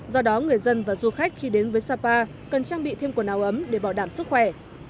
do đó người dân và du khách khi đến với sapa cần trang bị thêm quần áo ấm để bảo đảm sức khỏe